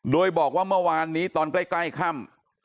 โดยบอกว่าเมื่อวานนี้ตอนใกล้ค่ำ